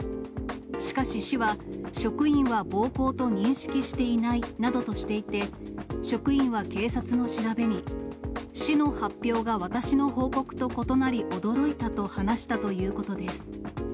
しかし市は、職員は暴行と認識していないなどとしていて、職員は警察の調べに、市の発表が私の報告と異なり驚いたと話したということです。